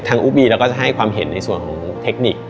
ทางอุปีตเราก็จะให้ความเห็นในส่วนเทคนิค